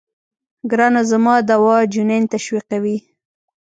ګرانه زما دوا جنين تشويقوي.